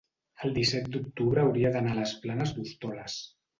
el disset d'octubre hauria d'anar a les Planes d'Hostoles.